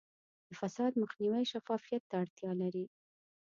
د فساد مخنیوی شفافیت ته اړتیا لري.